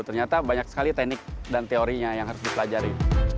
ternyata banyak sekali teknik dan teorinya yang harus dipelajari